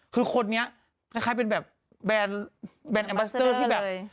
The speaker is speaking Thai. คือคนนี้คล้ายเป็นแบบแบนแอมบัสเตอร์ที่แบบ